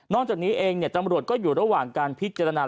จากนี้เองตำรวจก็อยู่ระหว่างการพิจารณา